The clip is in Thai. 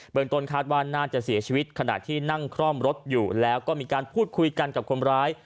ต้นคาดว่าน่าจะเสียชีวิตขณะที่นั่งคล่อมรถอยู่แล้วก็มีการพูดคุยกันกับคนร้าย